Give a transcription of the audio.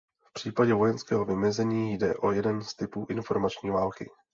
V případě vojenského vymezení jde o jeden z typů informační války.